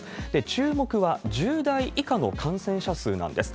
注目は１０代以下の感染者数なんです。